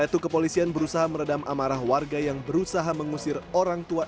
itu kepolisian berusaha meredam amarah warga yang berusaha mengusir orang tua